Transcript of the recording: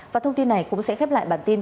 và thông tin này cũng sẽ khép lại bản tin